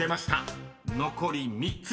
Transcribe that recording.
［残り３つ。